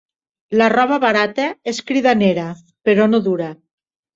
La roba barata és cridanera però no dura.